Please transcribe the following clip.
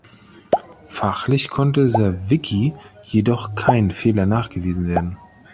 Fachlich konnte Sawicki jedoch kein Fehler nachgewiesen werden.